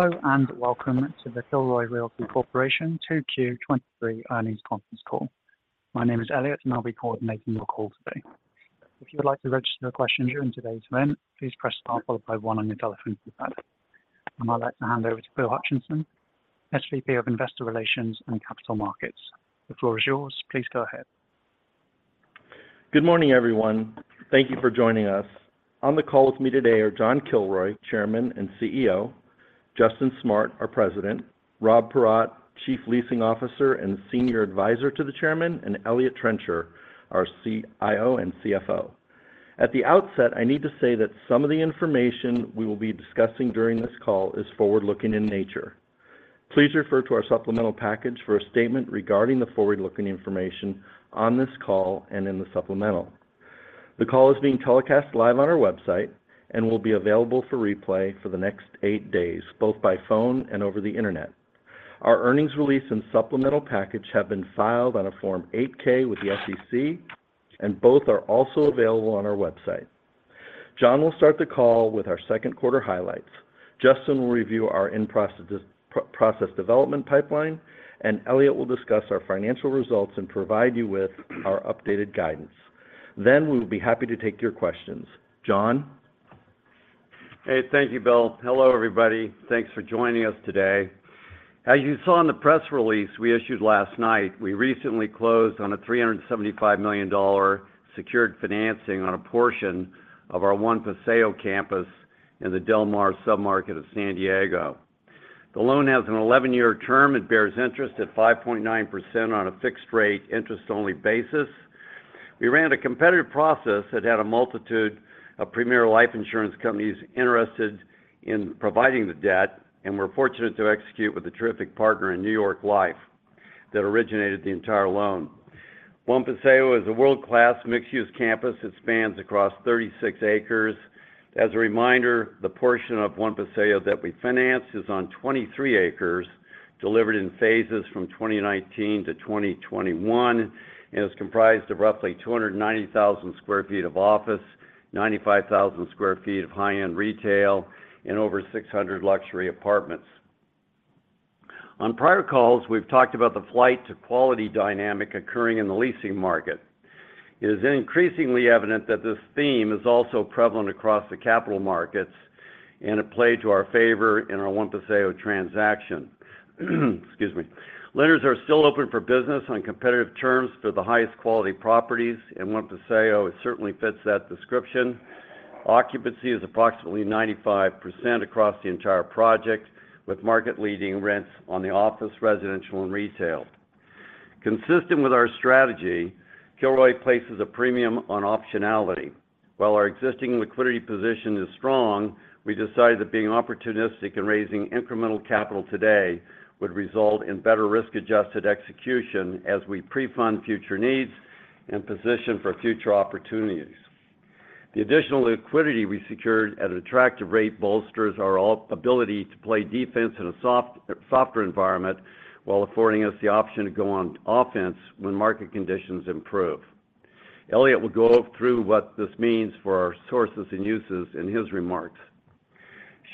Hello, and welcome to the Kilroy Realty Corporation 2Q 2023 earnings conference call. My name is Eliott, and I'll be coordinating your call today. If you would like to register your question during today's event, please press Star followed by one on your telephone keypad. I'd like to hand over to Bill Hutcheson, SVP of Investor Relations and Capital Markets. The floor is yours. Please go ahead. Good morning, everyone. Thank you for joining us. On the call with me today are John Kilroy, Chairman and CEO, Justin Smart, our President, Rob Paratte, Chief Leasing Officer and Senior Advisor to the Chairman, and Eliott Trencher, our CIO and CFO. At the outset, I need to say that some of the information we will be discussing during this call is forward-looking in nature. Please refer to our supplemental package for a statement regarding the forward-looking information on this call and in the supplemental. The call is being telecast live on our website and will be available for replay for the next eight days, both by phone and over the internet. Our earnings release and supplemental package have been filed on a Form 8-K with the SEC, both are also available on our website. John will start the call with our second quarter highlights. Justin will review our in-process development pipeline, and Eliott will discuss our financial results and provide you with our updated guidance. We will be happy to take your questions. John? Hey, thank you, Bill. Hello, everybody. Thanks for joining us today. As you saw in the press release we issued last night, we recently closed on a $375 million secured financing on a portion of our One Paseo campus in the Del Mar submarket of San Diego. The loan has an 11-year term and bears interest at 5.9% on a fixed rate, interest-only basis. We ran a competitive process that had a multitude of premier life insurance companies interested in providing the debt, and we're fortunate to execute with a terrific partner in New York Life that originated the entire loan. One Paseo is a world-class, mixed-use campus that spans across 36 acres. As a reminder, the portion of One Paseo that we financed is on 23 acres, delivered in phases from 2019-2021, and is comprised of roughly 290,000 sq ft of office, 95,000 sq ft of high-end retail, and over 600 luxury apartments. On prior calls, we've talked about the flight to quality dynamic occurring in the leasing market. It is increasingly evident that this theme is also prevalent across the capital markets, and it played to our favor in our One Paseo transaction. Excuse me. Lenders are still open for business on competitive terms for the highest quality properties, and One Paseo, it certainly fits that description. Occupancy is approximately 95% across the entire project, with market-leading rents on the office, residential, and retail. Consistent with our strategy, Kilroy places a premium on optionality. While our existing liquidity position is strong, we decided that being opportunistic and raising incremental capital today would result in better risk-adjusted execution as we pre-fund future needs and position for future opportunities. The additional liquidity we secured at an attractive rate bolsters our ability to play defense in a soft, softer environment, while affording us the option to go on offense when market conditions improve. Eliott will go through what this means for our sources and uses in his remarks.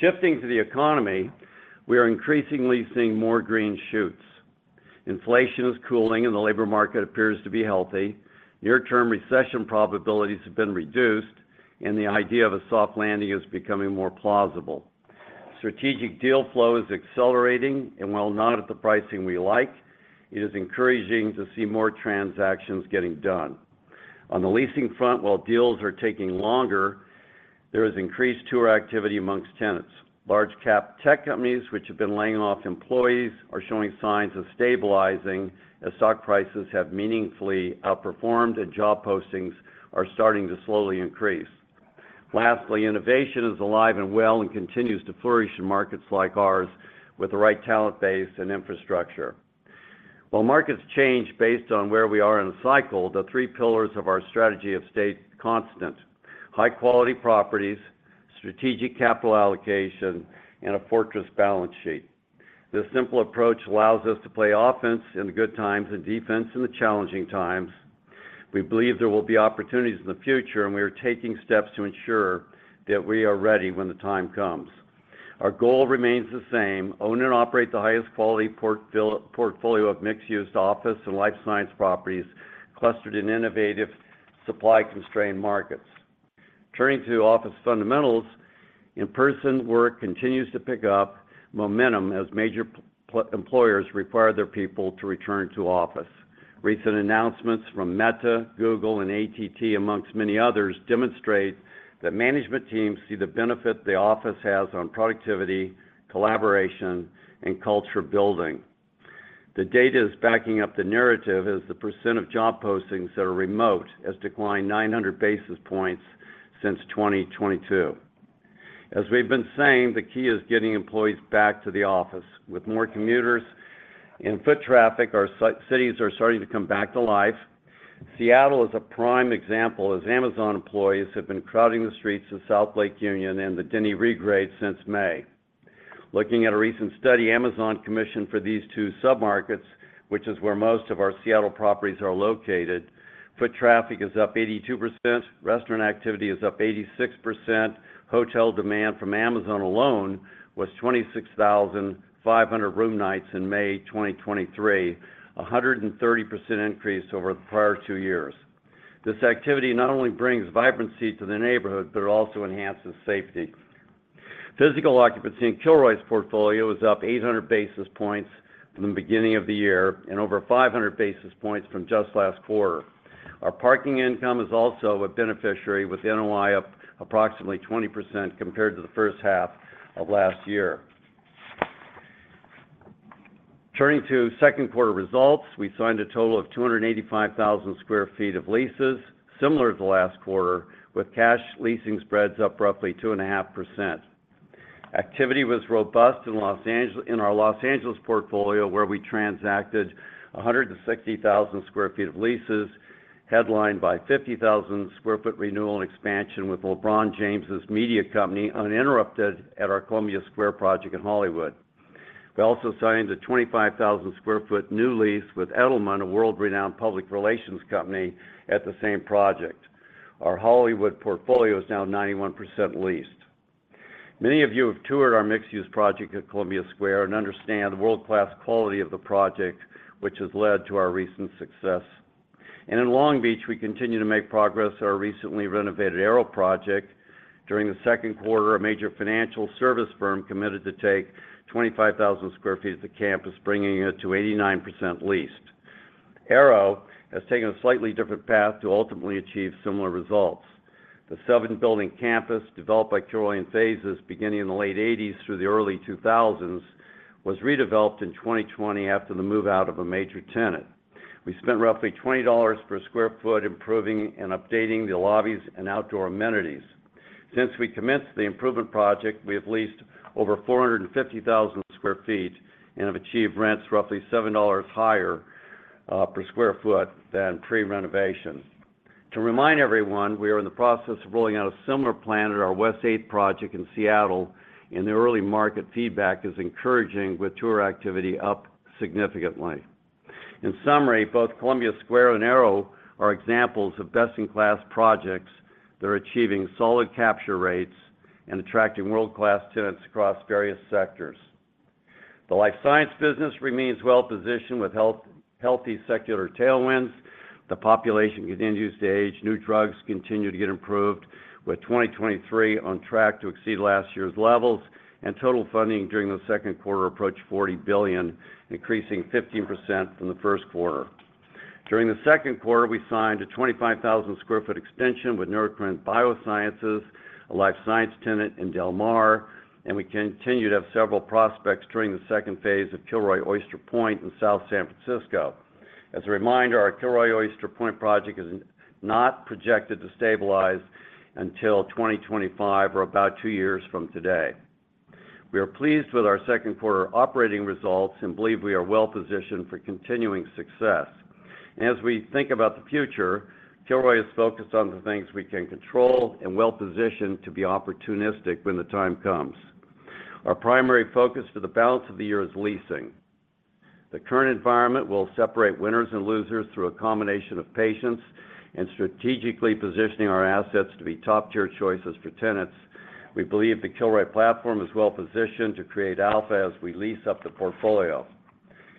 Shifting to the economy, we are increasingly seeing more green shoots. Inflation is cooling and the labor market appears to be healthy. Near-term recession probabilities have been reduced, and the idea of a soft landing is becoming more plausible. Strategic deal flow is accelerating, and while not at the pricing we like, it is encouraging to see more transactions getting done. On the leasing front, while deals are taking longer, there is increased tour activity amongst tenants. Large cap tech companies, which have been laying off employees, are showing signs of stabilizing as stock prices have meaningfully outperformed. Job postings are starting to slowly increase. Lastly, innovation is alive and well, and continues to flourish in markets like ours with the right talent base and infrastructure. While markets change based on where we are in the cycle, the three pillars of our strategy have stayed constant: high-quality properties, strategic capital allocation, and a fortress balance sheet. This simple approach allows us to play offense in the good times and defense in the challenging times. We believe there will be opportunities in the future, and we are taking steps to ensure that we are ready when the time comes. Our goal remains the same: own and operate the highest quality portfolio of mixed-use office and life science properties, clustered in innovative, supply-constrained markets. Turning to office fundamentals, in-person work continues to pick up momentum as major employers require their people to return to office. Recent announcements from Meta, Google, and AT&T, amongst many others, demonstrate that management teams see the benefit the office has on productivity, collaboration, and culture building. The data is backing up the narrative, as the percent of job postings that are remote has declined 900 basis points since 2022. As we've been saying, the key is getting employees back to the office. With more commuters and foot traffic, our cities are starting to come back to life. Seattle is a prime example, as Amazon employees have been crowding the streets of South Lake Union and the Denny Regrade since May. Looking at a recent study, Amazon commissioned for these two submarkets, which is where most of our Seattle properties are located. Foot traffic is up 82%, restaurant activity is up 86%, hotel demand from Amazon alone was 26,500 room nights in May 2023, a 130% increase over the prior two years. This activity not only brings vibrancy to the neighborhood, but it also enhances safety. Physical occupancy in Kilroy's portfolio is up 800 basis points from the beginning of the year, and over 500 basis points from just last quarter. Our parking income is also a beneficiary, with NOI up approximately 20% compared to the first half of last year. Turning to second quarter results, we signed a total of 285,000 sq ft of leases, similar to last quarter, with cash leasing spreads up roughly 2.5%. Activity was robust in Los Angeles-- in our Los Angeles portfolio, where we transacted 160,000 sq ft of leases, headlined by 50,000 sq ft renewal and expansion with LeBron James' media company, UNINTERRUPTED, at our Columbia Square project in Hollywood. We also signed a 25,000 sq ft new lease with Edelman, a world-renowned public relations company, at the same project. Our Hollywood portfolio is now 91% leased. Many of you have toured our mixed-use project at Columbia Square and understand the world-class quality of the project, which has led to our recent success. In Long Beach, we continue to make progress at our recently renovated Arrow project. During the second quarter, a major financial service firm committed to take 25,000 sq ft of the campus, bringing it to 89% leased. Arrow has taken a slightly different path to ultimately achieve similar results. The seven building campus, developed by Kilroy in phases beginning in the late 1980s through the early 2000s, was redeveloped in 2020 after the move-out of a major tenant. We spent roughly $20 per sq ft, improving and updating the lobbies and outdoor amenities. Since we commenced the improvement project, we have leased over 450,000 sq ft and have achieved rents roughly $7 higher per sq ft than pre-renovation. To remind everyone, we are in the process of rolling out a similar plan at our West Eighth project in Seattle, and the early market feedback is encouraging, with tour activity up significantly. In summary, both Columbia Square and Arrow are examples of best-in-class projects that are achieving solid capture rates and attracting world-class tenants across various sectors. The life science business remains well-positioned with healthy secular tailwinds. The population continues to age. New drugs continue to get improved, with 2023 on track to exceed last year's levels, and total funding during the second quarter approached $40 billion, increasing 15% from the first quarter. During the second quarter, we signed a 25,000 sq ft extension with Neurocrine Biosciences, a life science tenant in Del Mar, and we continue to have several prospects during the second phase of Kilroy Oyster Point in South San Francisco. As a reminder, our Kilroy Oyster Point project is not projected to stabilize until 2025 or about two years from today. We are pleased with our second quarter operating results and believe we are well positioned for continuing success. As we think about the future, Kilroy is focused on the things we can control and well-positioned to be opportunistic when the time comes. Our primary focus for the balance of the year is leasing. The current environment will separate winners and losers through a combination of patience and strategically positioning our assets to be top-tier choices for tenants. We believe the Kilroy platform is well positioned to create alpha as we lease up the portfolio.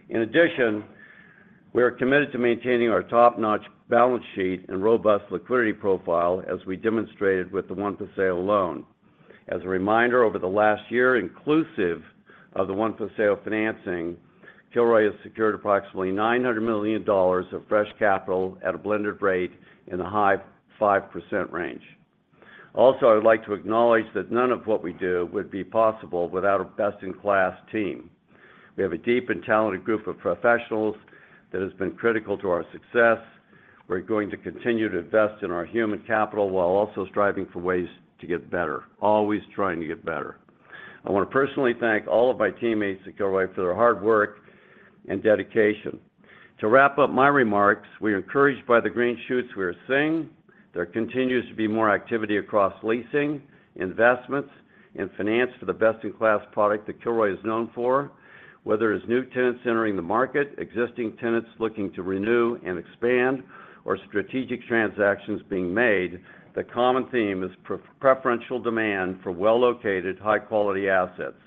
In addition, we are committed to maintaining our top-notch balance sheet and robust liquidity profile, as we demonstrated with the One Paseo loan. As a reminder, over the last year, inclusive of the One Paseo financing, Kilroy has secured approximately $900 million of fresh capital at a blended rate in the high 5% range. I would like to acknowledge that none of what we do would be possible without a best-in-class team. We have a deep and talented group of professionals that has been critical to our success. We're going to continue to invest in our human capital, while also striving for ways to get better, always trying to get better. I want to personally thank all of my teammates at Kilroy for their hard work and dedication. To wrap up my remarks, we are encouraged by the green shoots we are seeing. There continues to be more activity across leasing, investments, and finance for the best-in-class product that Kilroy is known for. Whether it's new tenants entering the market, existing tenants looking to renew and expand, or strategic transactions being made, the common theme is preferential demand for well-located, high-quality assets.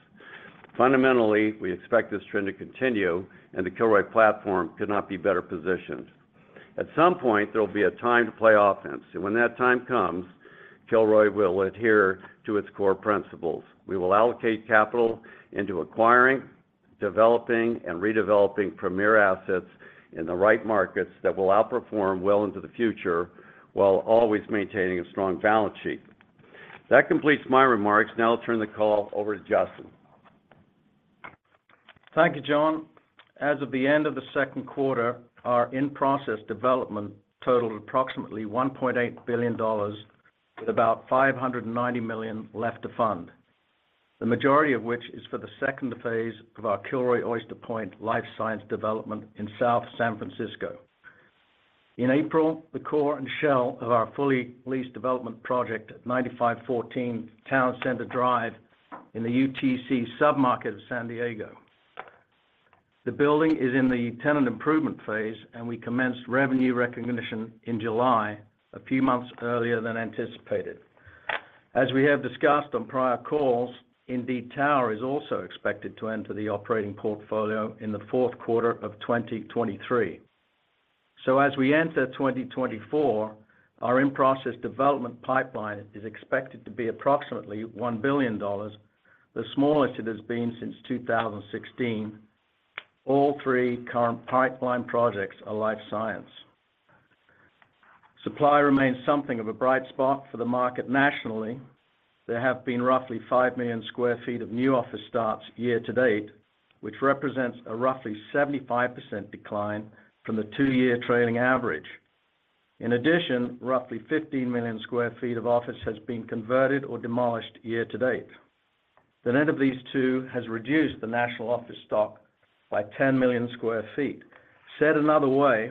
Fundamentally, we expect this trend to continue, and the Kilroy platform could not be better positioned. At some point, there will be a time to play offense, and when that time comes, Kilroy will adhere to its core principles. We will allocate capital into acquiring, developing, and redeveloping premier assets in the right markets that will outperform well into the future, while always maintaining a strong balance sheet. That completes my remarks. Now I'll turn the call over to Justin. Thank you, John. As of the end of the second quarter, our in-process development totaled approximately $1.8 billion, with about $590 million left to fund. The majority of which is for the second phase of our Kilroy Oyster Point life science development in South San Francisco. In April, the core and shell of our fully leased development project at 9514 Town Center Drive in the UTC submarket of San Diego. The building is in the tenant improvement phase, and we commenced revenue recognition in July, a few months earlier than anticipated. As we have discussed on prior calls, Indeed Tower is also expected to enter the operating portfolio in the fourth quarter of 2023. As we enter 2024, our in-process development pipeline is expected to be approximately $1 billion, the smallest it has been since 2016. All three current pipeline projects are life science. Supply remains something of a bright spot for the market nationally. There have been roughly 5 million sq ft of new office starts year-to-date, which represents a roughly 75% decline from the two-year trailing average. In addition, roughly 15 million sq ft of office has been converted or demolished year-to-date. The net of these two has reduced the national office stock by 10 million sq ft. Said another way,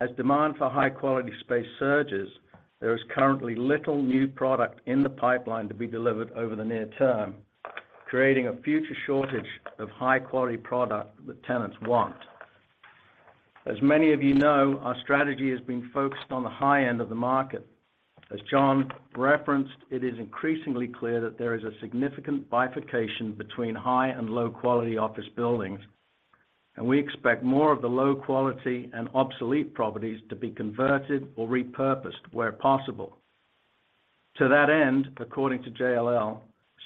as demand for high-quality space surges, there is currently little new product in the pipeline to be delivered over the near-term, creating a future shortage of high-quality product that tenants want. As many of you know, our strategy has been focused on the high-end of the market. As John referenced, it is increasingly clear that there is a significant bifurcation between high and low-quality office buildings, and we expect more of the low quality and obsolete properties to be converted or repurposed where possible. To that end, according to JLL,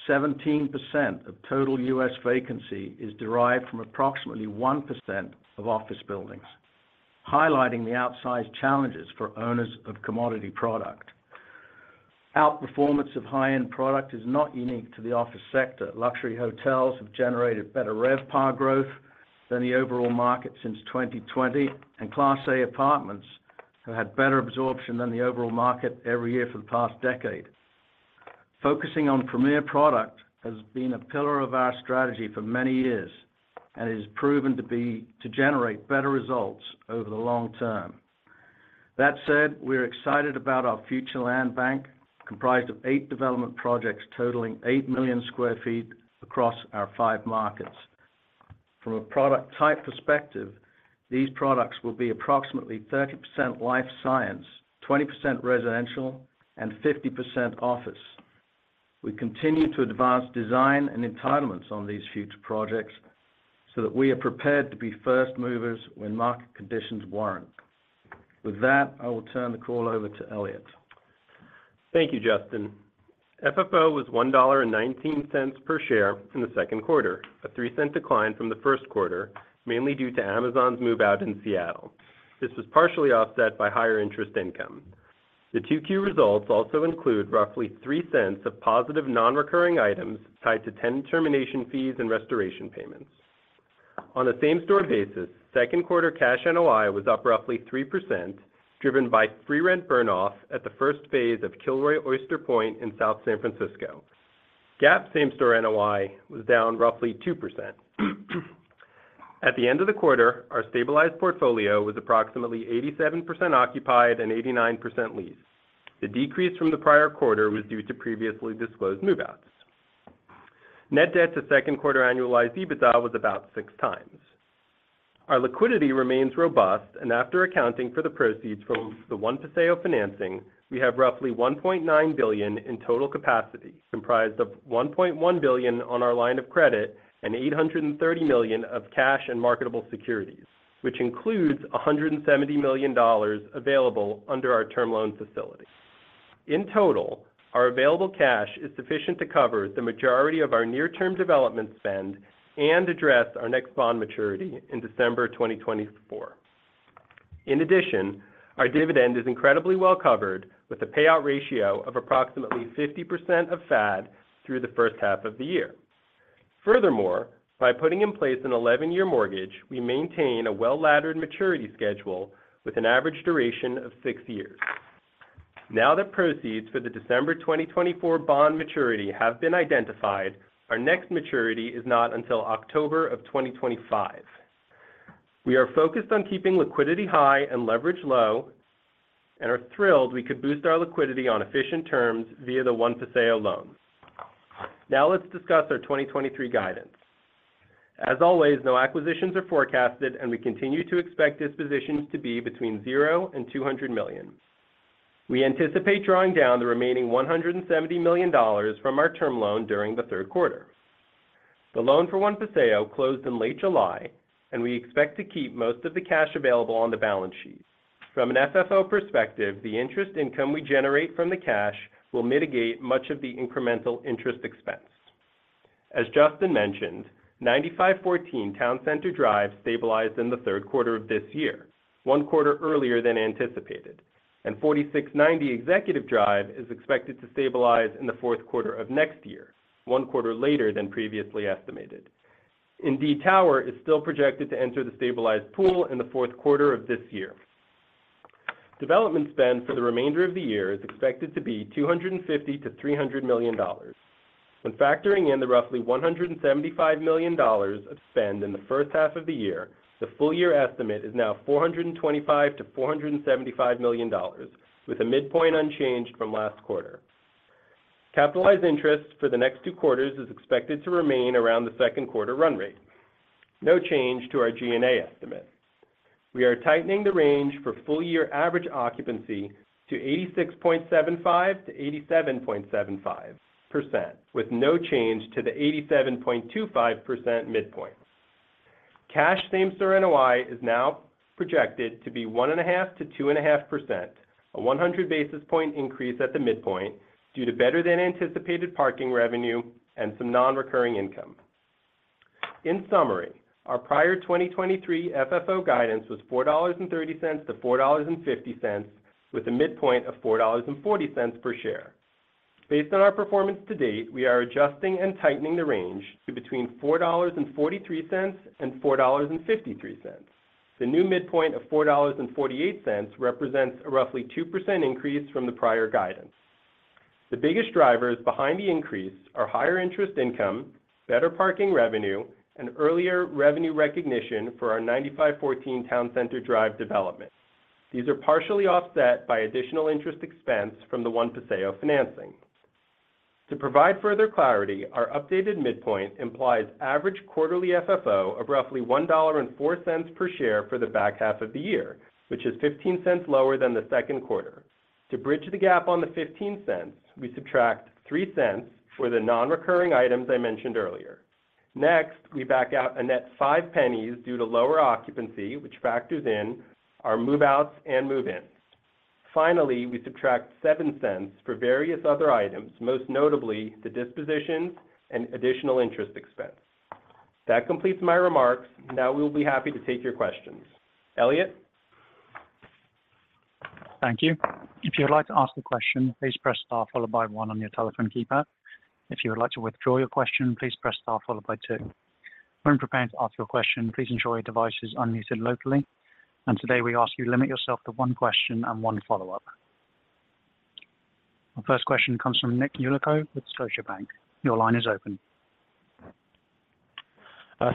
17% of total U.S. vacancy is derived from approximately 1% of office buildings, highlighting the outsized challenges for owners of commodity product. Outperformance of high-end product is not unique to the office sector. Luxury hotels have generated better RevPAR growth than the overall market since 2020, and Class A apartments have had better absorption than the overall market every year for the past decade. Focusing on premier product has been a pillar of our strategy for many years, and it has proven to generate better results over the long-term. That said, we're excited about our future land bank, comprised of eight development projects totaling 8 million sq ft across our five markets. From a product type perspective, these products will be approximately 30% life science, 20% residential, and 50% office. We continue to advance design and entitlements on these future projects so that we are prepared to be first movers when market conditions warrant. With that, I will turn the call over to Eliott. Thank you, Justin. FFO was $1.19 per share in the second quarter, a $0.03 decline from the first quarter, mainly due to Amazon's move out in Seattle. This was partially offset by higher interest income. The 2Q results also include roughly $0.03 of positive non-recurring items tied to 10 termination fees and restoration payments. On a same-store basis, second quarter cash NOI was up roughly 3%, driven by free rent burn off at the first phase of Kilroy Oyster Point in South San Francisco. GAAP same-store NOI was down roughly 2%. At the end of the quarter, our stabilized portfolio was approximately 87% occupied and 89% leased. The decrease from the prior quarter was due to previously disclosed move-outs. Net debt to second quarter annualized EBITDA was about 6x. Our liquidity remains robust. After accounting for the proceeds from the One Paseo financing, we have roughly $1.9 billion in total capacity, comprised of $1.1 billion on our line of credit and $830 million of cash and marketable securities, which includes $170 million available under our term loan facility. In total, our available cash is sufficient to cover the majority of our near-term development spend and address our next bond maturity in December 2024. Our dividend is incredibly well covered, with a payout ratio of approximately 50% of FAD through the first half of the year. By putting in place an 11-year mortgage, we maintain a well-laddered maturity schedule with an average duration of six years. Now that proceeds for the December 2024 bond maturity have been identified, our next maturity is not until October 2025. We are focused on keeping liquidity high and leverage low, and are thrilled we could boost our liquidity on efficient terms via the One Paseo loans. Now let's discuss our 2023 guidance. As always, no acquisitions are forecasted, and we continue to expect dispositions to be between $0 and $200 million. We anticipate drawing down the remaining $170 million from our term loan during the third quarter. The loan for One Paseo closed in late July, and we expect to keep most of the cash available on the balance sheet. From an FFO perspective, the interest income we generate from the cash will mitigate much of the incremental interest expense. As Justin mentioned, 9514 Town Center Drive stabilized in the third quarter of this year, one quarter earlier than anticipated. 4690 Executive Drive is expected to stabilize in the fourth quarter of next year, one quarter later than previously estimated. Indeed Tower is still projected to enter the stabilized pool in the fourth quarter of this year. Development spend for the remainder of the year is expected to be $250 million-$300 million. When factoring in the roughly $175 million of spend in the first half of the year, the full year estimate is now $425 million-$475 million, with a midpoint unchanged from last quarter. Capitalized interest for the next two quarters is expected to remain around the second quarter run rate. No change to our G&A estimate. We are tightening the range for full year average occupancy to 86.75%-87.75%, with no change to the 87.25% midpoint. Cash same store NOI is now projected to be 1.5%-2.5%, a 100 basis point increase at the midpoint, due to better than anticipated parking revenue and some non-recurring income. In summary, our prior 2023 FFO guidance was $4.30-$4.50, with a midpoint of $4.40 per share. Based on our performance to date, we are adjusting and tightening the range to between $4.43 and $4.53. The new midpoint of $4.48 represents a roughly 2% increase from the prior guidance. The biggest drivers behind the increase are higher interest income, better parking revenue, and earlier revenue recognition for our 9514 Town Center Drive development. These are partially offset by additional interest expense from the One Paseo financing. To provide further clarity, our updated midpoint implies average quarterly FFO of roughly $1.04 per share for the back half of the year, which is $0.15 lower than the second quarter. To bridge the gap on the $0.15, we subtract $0.03 for the non-recurring items I mentioned earlier. Next, we back out a net $0.05 due to lower occupancy, which factors in our move-outs and move-ins. Finally, we subtract $0.07 for various other items, most notably the dispositions and additional interest expense. That completes my remarks. Now we will be happy to take your questions. Eliott? Thank you. If you'd like to ask a question, please press Star followed by one on your telephone keypad. If you would like to withdraw your question, please press Star followed by two. When preparing to ask your question, please ensure your device is unmuted locally, and today, we ask you to limit yourself to one question and one follow-up. Our first question comes from Nick Yulico with Scotiabank. Your line is open.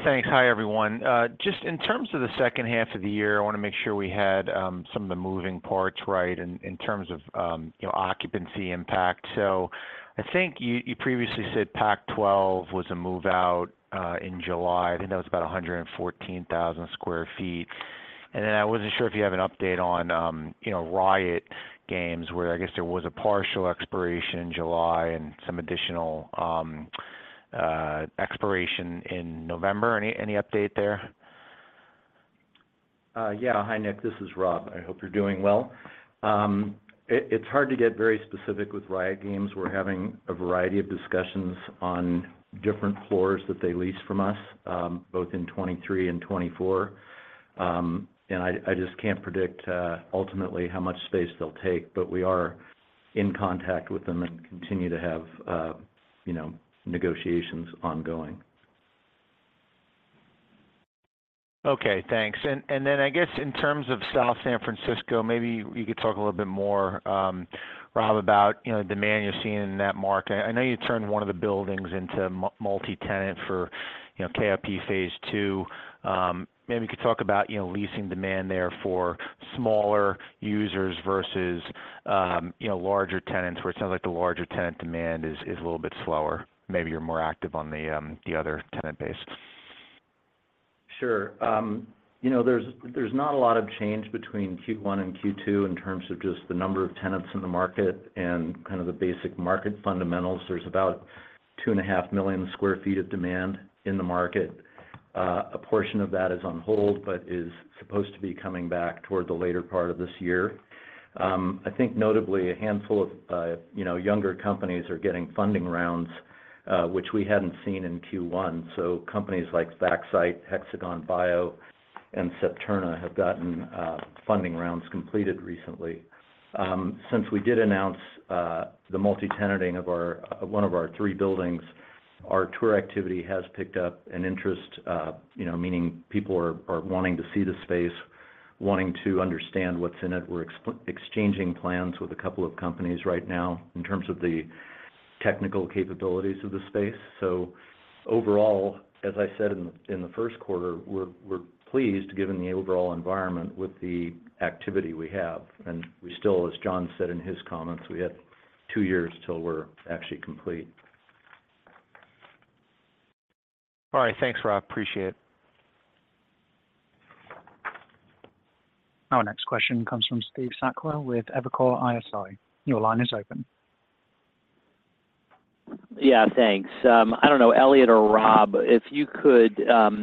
Thanks. Hi, everyone. Just in terms of the second half of the year, I want to make sure we had some of the moving parts right in, in terms of, you know, occupancy impact. So I think you, you previously said Pac-12 was a move-out in July. I think that was about 114,000 sq ft. Then I wasn't sure if you have an update on, you know, Riot Games, where I guess there was a partial expiration in July and some additional expiration in November. Any, any update there? Yeah. Hi, Nick, this is Rob. I hope you're doing well. It's hard to get very specific with Riot Games. We're having a variety of discussions on different floors that they lease from us, both in 2023 and 2024. I just can't predict, ultimately how much space they'll take, but we are in contact with them and continue to have, you know, negotiations ongoing. Okay, thanks. Then I guess in terms of South San Francisco, maybe you could talk a little bit more, Rob, about, you know, the demand you're seeing in that market. I know you turned one of the buildings into multi-tenant for, you know, KOP phase 2. Maybe you could talk about, you know, leasing demand there for smaller users versus, you know, larger tenants, where it sounds like the larger tenant demand is, is a little bit slower. Maybe you're more active on the other tenant base. Sure. There's not a lot of change between Q1 and Q2 in terms of just the number of tenants in the market and kind of the basic market fundamentals. There's about 2.5 million sq ft of demand in the market. A portion of that is on hold, but is supposed to be coming back toward the later part of this year. I think notably, a handful of, you know, younger companies are getting funding rounds, which we hadn't seen in Q1. Companies like Vaxcyte, Hexagon Bio, and Septerna have gotten funding rounds completed recently. Since we did announce the multi-tenanting of one of our three buildings, our tour activity has picked up an interest, you know, meaning people are, are wanting to see the space, wanting to understand what's in it. We're exchanging plans with a couple of companies right now in terms of the technical capabilities of the space. Overall, as I said in, in the first quarter, we're, we're pleased, given the overall environment with the activity we have. We still, as John said in his comments, we have two years till we're actually complete. All right. Thanks, Rob. Appreciate it. Our next question comes from Steve Sakwa with Evercore ISI. Your line is open. Yeah, thanks. I don't know, Eliott or Rob, if you could,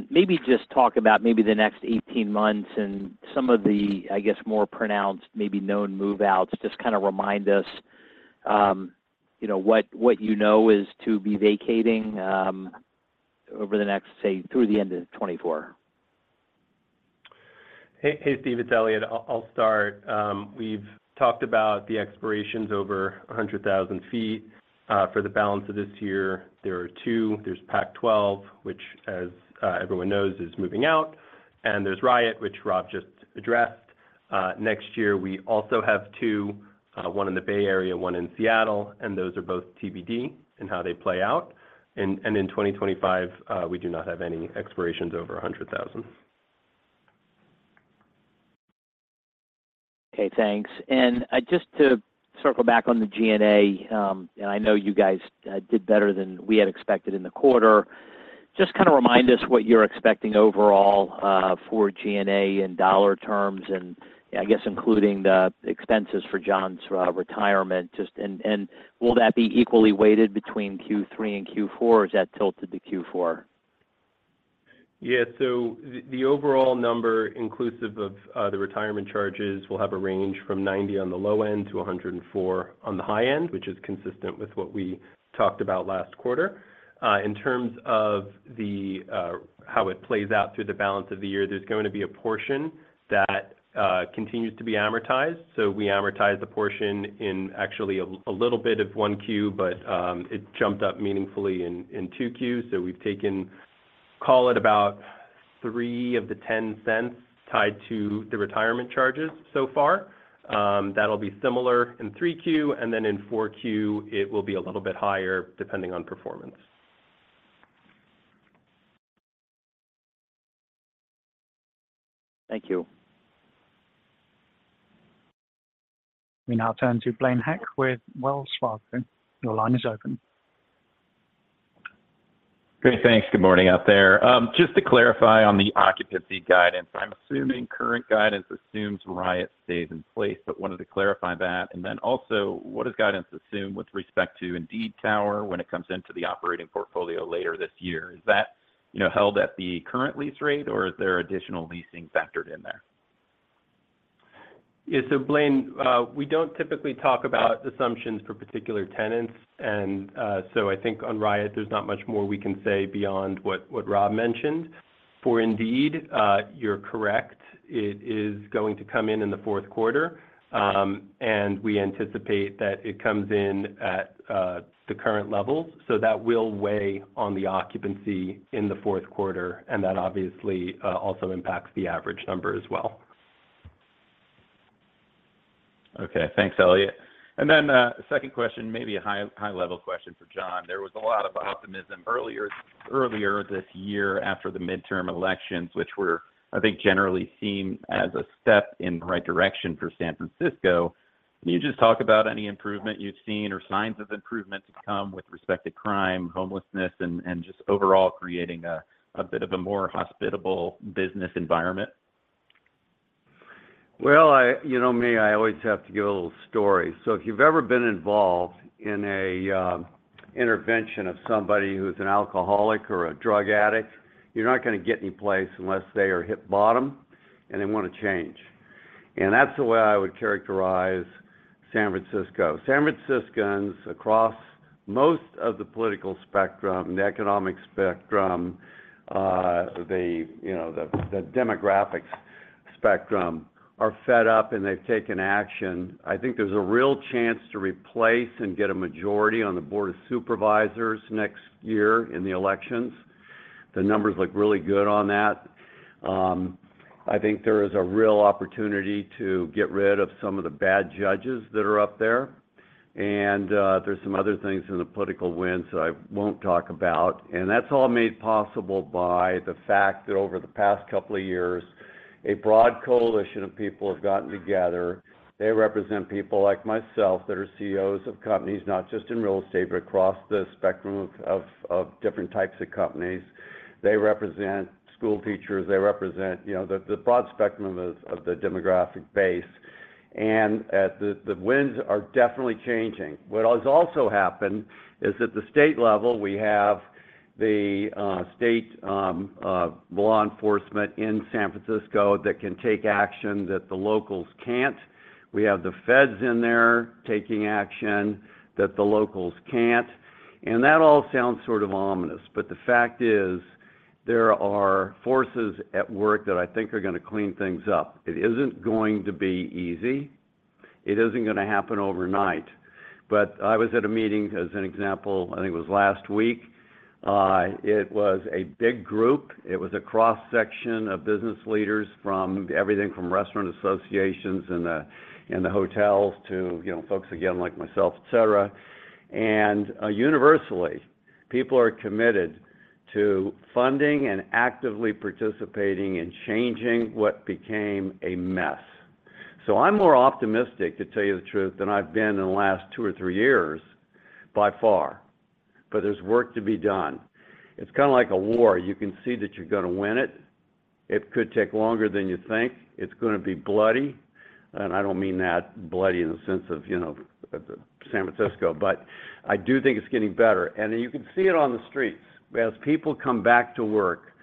maybe just talk about maybe the next 18 months and some of the, I guess, more pronounced, maybe known move-outs. Just kind of remind us, you know, what, what you know is to be vacating, over the next, say, through the end of 2024. Hey, hey, Steve, it's Eliott. I'll, I'll start. We've talked about the expirations over 100,000 feet for the balance of this year. There are two. There's Pac-12, which, as everyone knows, is moving out, and there's Riot, which Rob just addressed. Next year, we also have two, one in the Bay Area, one in Seattle, and those are both TBD in how they play out. In 2025, we do not have any expirations over 100,000. Okay, thanks. Just to circle back on the G&A, and I know you guys did better than we had expected in the quarter. Just kind of remind us what you're expecting overall for G&A in dollar terms, and I guess including the expenses for John's retirement. Will that be equally weighted between Q3 and Q4, or is that tilted to Q4? Yeah. The overall number, inclusive of the retirement charges, will have a range from 90 on the low-end to 104 on the high-end, which is consistent with what we talked about last quarter. In terms of how it plays out through the balance of the year, there's going to be a portion that continues to be amortized. We amortized a portion in actually a little bit of 1Q, but it jumped up meaningfully in 2Q. We've taken, call it about $0.03 of the $0.10 cents tied to the retirement charges so far. That'll be similar in 3Q, and then in 4Q, it will be a little bit higher, depending on performance. Thank you. We now turn to Blaine Heck with Wells Fargo. Your line is open. Great. Thanks. Good morning out there. Just to clarify on the occupancy guidance, I'm assuming current guidance assumes Riot stays in place, but wanted to clarify that. What does guidance assume with respect to Indeed Tower when it comes into the operating portfolio later this year? Is that held at the current lease rate, or is there additional leasing factored in there? Blaine, we don't typically talk about assumptions for particular tenants. I think on Riot, there's not much more we can say beyond what, what Rob mentioned. For Indeed, you're correct, it is going to come in, in the fourth quarter. Great. We anticipate that it comes in at the current levels, so that will weigh on the occupancy in the fourth quarter, and that obviously also impacts the average number as well. Okay. Thanks, Eliott. Then, second question, maybe a high, high-level question for John. There was a lot of optimism earlier, earlier this year after the mid-term elections, which were, I think, generally seen as a step in the right direction for San Francisco. Can you just talk about any improvement you've seen or signs of improvement to come with respect to crime, homelessness, and, and just overall creating a, a bit of a more hospitable business environment? Well, You know me, I always have to give a little story. If you've ever been involved in a intervention of somebody who's an alcoholic or a drug addict, you're not going to get any place unless they have hit bottom, and they want to change. That's the way I would characterize San Francisco. San Franciscans, across most of the political spectrum, the economic spectrum, the, you know, the, the demographics spectrum, are fed up, and they've taken action. I think there's a real chance to replace and get a majority on the Board of Supervisors next year in the elections. The numbers look really good on that. I think there is a real opportunity to get rid of some of the bad judges that are up there. There's some other things in the political winds that I won't talk about. That's all made possible by the fact that over the past couple of years, a broad coalition of people have gotten together. They represent people like myself, that are CEOs of companies, not just in real estate, but across the spectrum of different types of companies. They represent school teachers. They represent, you know, the broad spectrum of the demographic base. The winds are definitely changing. What has also happened is, at the state level, we have the state law enforcement in San Francisco that can take action that the locals can't. We have the feds in there taking action that the locals can't. That all sounds sort of ominous, but the fact is, there are forces at work that I think are going to clean things up. It isn't going to be easy. It isn't going to happen overnight. I was at a meeting, as an example, I think it was last week. It was a big group. It was a cross-section of business leaders from everything from restaurant associations and, and the hotels to, you know, folks again, like myself, et cetera. Universally, people are committed to funding and actively participating in changing what became a mess. I'm more optimistic, to tell you the truth, than I've been in the last two or three years, by far, but there's work to be done. It's kind of like a war. You can see that you're going to win it. It could take longer than you think. It's going to be bloody, and I don't mean that bloody in the sense of, you know, San Francisco, but I do think it's getting better. You can see it on the streets. As people come back to work,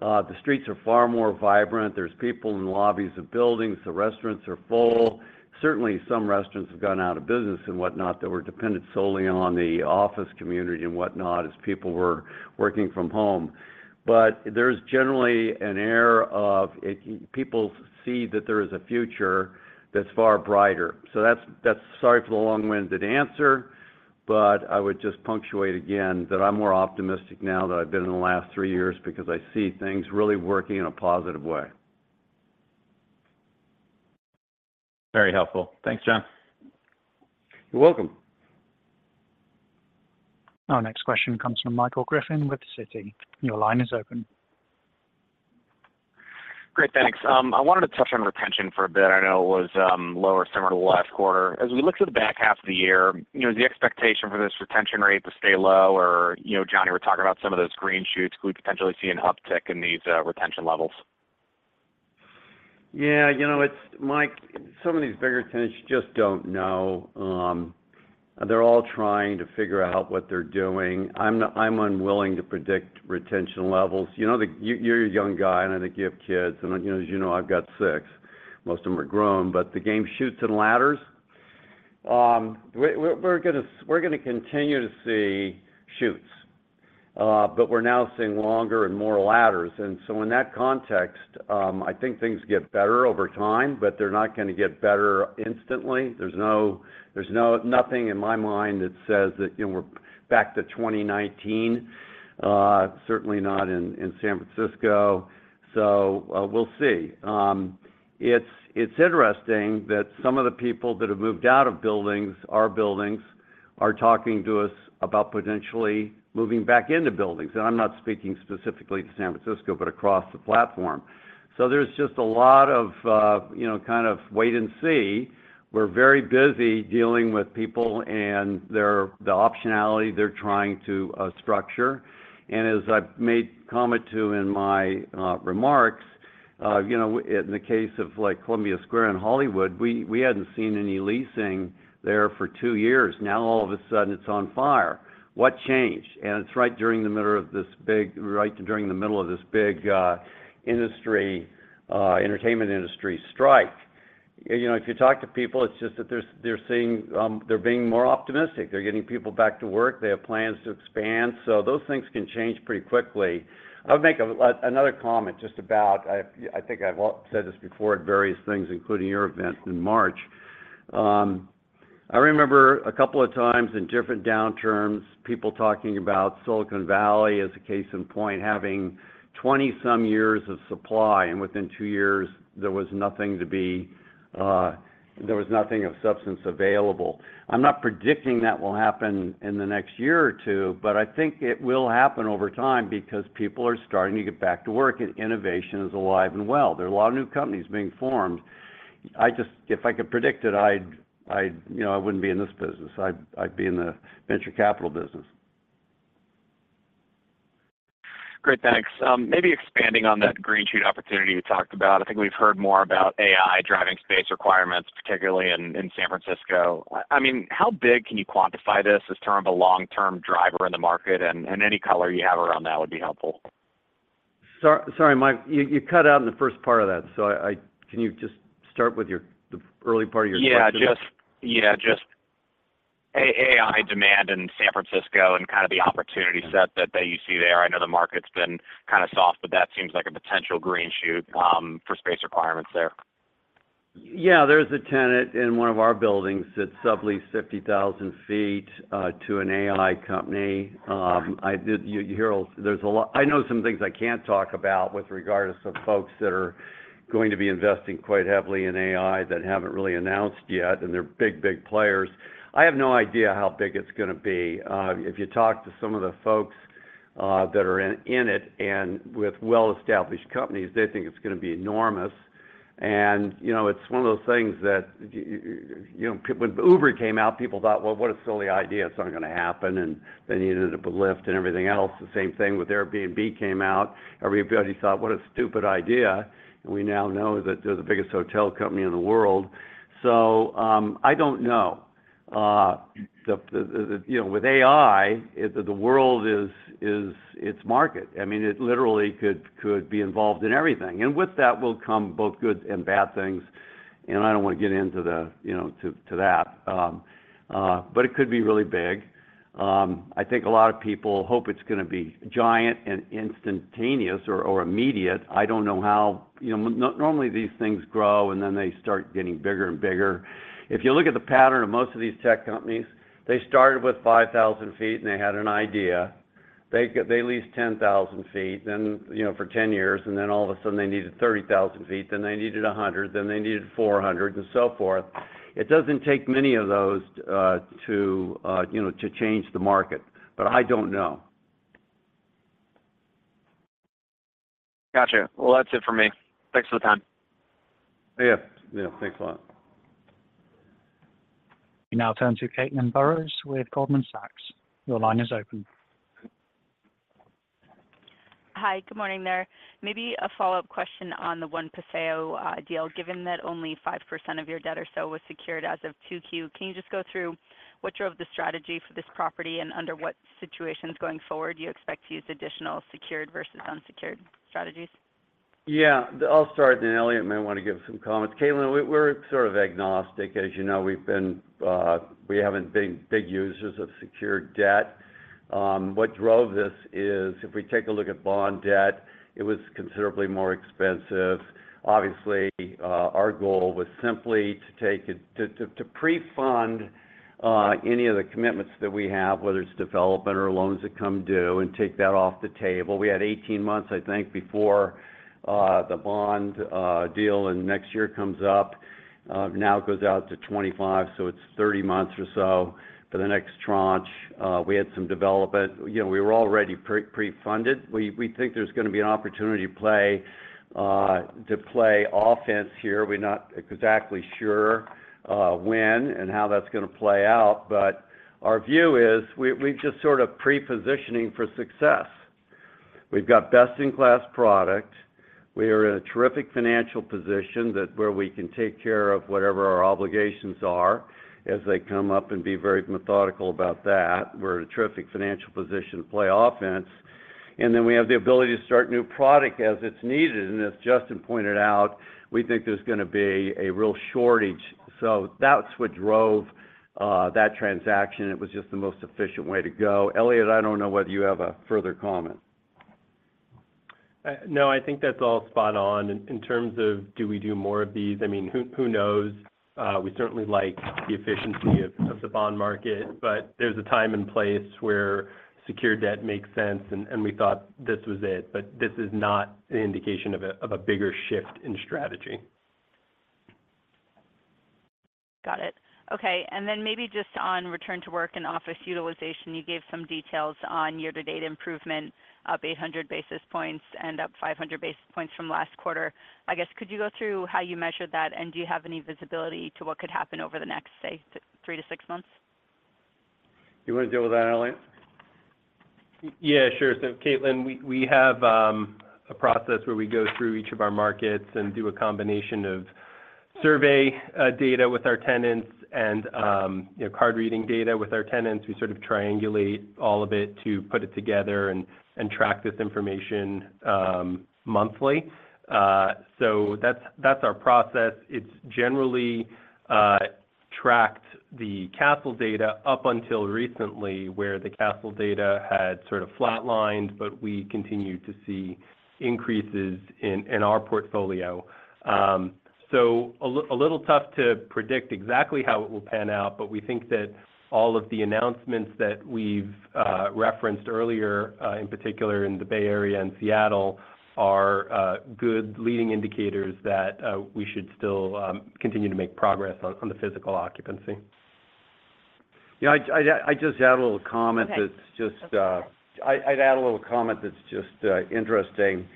the streets are far more vibrant. There's people in the lobbies of buildings. The restaurants are full. Certainly, some restaurants have gone out of business and whatnot, that were dependent solely on the office community and whatnot, as people were working from home. There's generally an air of it, people see that there is a future that's far brighter. Sorry for the long-winded answer. I would just punctuate again, that I'm more optimistic now than I've been in the last three years, because I see things really working in a positive way. Very helpful. Thanks, John. You're welcome. Our next question comes from Michael Griffin with Citi. Your line is open. Great, thanks. I wanted to touch on retention for a bit. I know it was, lower similar to last quarter. As we look to the back half of the year, you know, is the expectation for this retention rate to stay low? Or, you know, John, we're talking about some of those green shoots, could we potentially see an uptick in these retention levels? Yeah, you know, Mike, some of these bigger tenants, you just don't know. They're all trying to figure out what they're doing. I'm not unwilling to predict retention levels. You know, you, you're a young guy, and I think you have kids, and, you know, as you know, I've got six. Most of them are grown, but the game Chutes and Ladders, we're, we're gonna continue to see chutes, but we're now seeing longer and more ladders. In that context, I think things get better over time, but they're not gonna get better instantly. There's no, there's nothing in my mind that says that, you know, we're back to 2019, certainly not in, in San Francisco. We'll see. It's, it's interesting that some of the people that have moved out of buildings, our buildings, are talking to us about potentially moving back into buildings. I'm not speaking specifically to San Francisco, but across the platform. There's just a lot of, you know, kind of wait and see. We're very busy dealing with people and their optionality they're trying to structure. As I've made comment to in my remarks, you know, in the case of, like, Columbia Square and Hollywood, we, we hadn't seen any leasing there for two years. Now, all of a sudden, it's on fire. What changed? It's right during the middle of this big, right during the middle of this big industry, entertainment industry strike. You know, if you talk to people, it's just that they're, they're seeing, they're being more optimistic. They're getting people back to work. They have plans to expand. Those things can change pretty quickly. I'll make another comment just about, I think I've said this before at various things, including your event in March. I remember a couple of times in different downturns, people talking about Silicon Valley, as a case in point, having 20 some years of supply, and within two years, there was nothing to be, there was nothing of substance available. I'm not predicting that will happen in the next year or two, but I think it will happen over time because people are starting to get back to work, and innovation is alive and well. There are a lot of new companies being formed. If I could predict it, I'd, you know, I wouldn't be in this business. I'd be in the venture capital business. Great, thanks. maybe expanding on that green shoot opportunity you talked about, I think we've heard more about AI driving space requirements, particularly in, in San Francisco. I mean, how big can you quantify this, this term, a long-term driver in the market? any color you have around that would be helpful. sorry, Mike, you cut out in the first part of that, so I. Can you just start with your, the early part of your question? Yeah, AI demand in San Francisco and kind of the opportunity set that, that you see there. I know the market's been kind of soft, but that seems like a potential green shoot for space requirements there. Yeah, there's a tenant in one of our buildings that sublease 50,000 feet to an AI company. I know some things I can't talk about with regardless of folks that are going to be investing quite heavily in AI that haven't really announced yet, and they're big, big players. I have no idea how big it's gonna be. If you talk to some of the folks that are in it and with well-established companies, they think it's gonna be enormous. You know, it's one of those things that you know, when Uber came out, people thought: Well, what a silly idea, it's not gonna happen, and they needed a Lyft and everything else. The same thing with Airbnb came out. Everybody thought: What a stupid idea, we now know that they're the biggest hotel company in the world. I don't know. You know, with AI, the world is its market. I mean, it literally could, could be involved in everything. With that will come both good and bad things, and I don't want to get into the, you know, that. It could be really big. I think a lot of people hope it's gonna be giant and instantaneous or, or immediate. I don't know how. You know, normally, these things grow, and then they start getting bigger and bigger. If you look at the pattern of most of these tech companies, they started with 5,000 feet, and they had an idea. They leased 10,000 feet, then, you know, for 10 years, and then all of a sudden, they needed 30,000 feet, then they needed 100, then they needed 400, and so forth. It doesn't take many of those to, you know, to change the market, but I don't know. Gotcha. Well, that's it for me. Thanks for the time. Yeah, yeah. Thanks a lot. We now turn to Caitlin Burrows with Goldman Sachs. Your line is open. Hi, good morning there. Maybe a follow-up question on the One Paseo deal. Given that only 5% of your debt or so was secured as of 2Q, can you just go through what drove the strategy for this property, and under what situations going forward do you expect to use additional secured versus unsecured strategies? Yeah. I'll start, and Eliott may want to give some comments. Caitlin, we're, we're sort of agnostic. As you know, we've been, we haven't been big users of secured debt. What drove this is, if we take a look at bond debt, it was considerably more expensive. Obviously, our goal was simply to take it to pre-fund any of the commitments that we have, whether it's development or loans that come due, and take that off the table. We had 18 months, I think, before the bond deal. Next year comes up. Now it goes out to 25, so it's 30 months or so for the next tranche. We had some development. You know, we were already pre-funded. We, we think there's gonna be an opportunity to play to play offense here. We're not exactly sure when and how that's gonna play out, but our view is, we're just sort of pre-positioning for success. We've got best-in-class product. We are in a terrific financial position that where we can take care of whatever our obligations are as they come up, and be very methodical about that. We're in a terrific financial position to play offense, and then we have the ability to start new product as it's needed. As Justin pointed out, we think there's gonna be a real shortage. That's what drove that transaction. It was just the most efficient way to go. Eliott, I don't know whether you have a further comment. No, I think that's all spot on. In terms of, do we do more of these? I mean, who knows? We certainly like the efficiency of the bond market, but there's a time and place where secured debt makes sense, and we thought this was it. This is not an indication of a bigger shift in strategy. Got it. Okay, maybe just on return to work and office utilization, you gave some details on year-to-date improvement, up 800 basis points and up 500 basis points from last quarter. I guess, could you go through how you measured that, and do you have any visibility to what could happen over the next, say, three to six months? You wanna deal with that, Eliott? Yeah, sure. Caitlin, we, we have a process where we go through each of our markets and do a combination of survey data with our tenants and, you know, card reading data with our tenants. We sort of triangulate all of it to put it together and, and track this information monthly. That's, that's our process. It's generally tracked the Kastle data up until recently, where the Kastle data had sort of flatlined, but we continued to see increases in, in our portfolio. So a little tough to predict exactly how it will pan out, but we think that all of the announcements that we've referenced earlier, in particular in the Bay Area and Seattle, are good leading indicators that we should still continue to make progress on, on the physical occupancy. Yeah, I'd just add a little comment- Okay I'd add a little comment that's just interesting.